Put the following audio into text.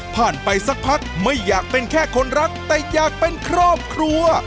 ไปสักพักไม่อยากเป็นแค่คนรักแต่อยากเป็นครอบครัว